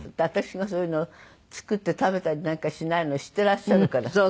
私がそういうのを作って食べたりなんかしないのを知ってらっしゃるから。